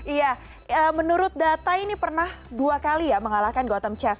iya menurut data ini pernah dua kali ya mengalahkan gotham chess